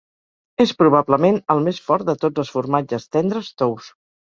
És probablement el més fort de tots els formatges tendres tous.